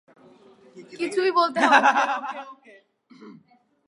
কিছুই বলতে হবে না।